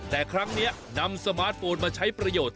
แต่ครั้งนี้นำสมาร์ทโฟนมาใช้ประโยชน์